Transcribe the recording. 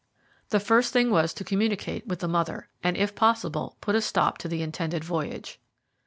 The first thing was to communicate with the mother, and if possible put a stop to the intended voyage.